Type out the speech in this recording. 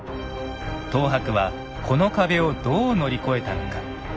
等伯はこの壁をどう乗り越えたのか。